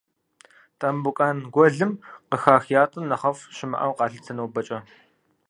Тамбукъан гуэлым къыхах ятӏэм нэхъыфӏ щымыӏэу къалъытэ нобэкӏэ.